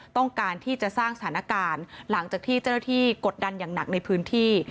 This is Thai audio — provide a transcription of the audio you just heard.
ต้องการที่จะสร้างสถานการณ์หลังจากที่เจ้าหน้าที่กดดันอย่างหนักในพื้นที่